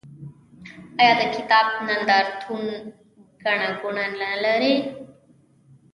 آیا د کتاب نندارتونونه ګڼه ګوڼه نلري؟